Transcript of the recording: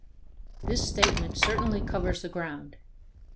This statement certainly covers the ground.